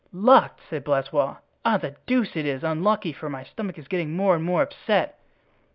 "Locked!" said Blaisois; "ah! the deuce it is; unlucky, for my stomach is getting more and more upset."